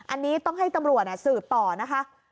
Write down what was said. อันนี้ต้องให้ตำรวจสืบต่อนะคะ